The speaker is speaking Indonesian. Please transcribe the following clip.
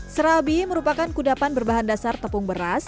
serabi merupakan kudapan berbahan dasar tepung beras